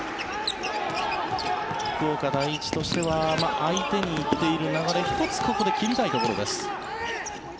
福岡第一としては相手に行っている流れ１つここで切りたいところです。